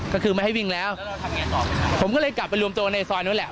ก็คือไม่ให้วิ่งแล้วแล้วเราทำงานต่อไปครับผมก็เลยกลับไปรวมตัวในซอยนู้นแหละ